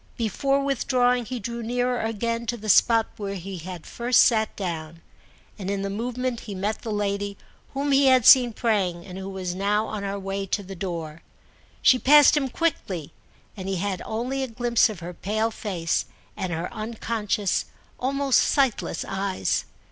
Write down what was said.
Before withdrawing he drew nearer again to the spot where he had first sat down, and in the movement he met the lady whom he had seen praying and who was now on her way to the door. She passed him quickly, and he had only a glimpse of her pale face and her unconscious, almost sightless eyes.